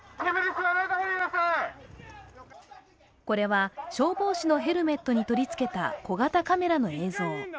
これは消防士のヘルメットに取り付けた小型カメラの映像。